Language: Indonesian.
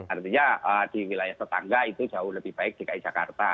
artinya di wilayah tetangga itu jauh lebih baik dki jakarta